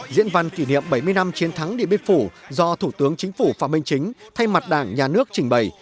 diễn văn kỷ niệm bảy mươi năm chiến thắng địa biên phủ do thủ tướng chính phủ phạm minh chính thay mặt đảng nhà nước trình bày